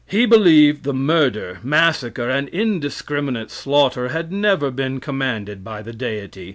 He believed the murder, massacre, and indiscriminate slaughter had never been commanded by the Deity.